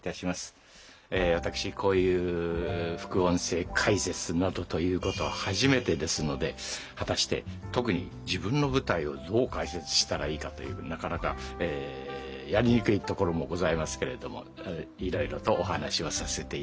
私こういう副音声解説などということは初めてですので果たして特に自分の舞台をどう解説したらいいかというなかなかやりにくいところもございますけれどもいろいろとお話をさせていただきます。